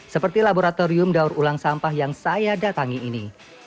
seperti laboratorium daur ulang sampah yang saya datangi ini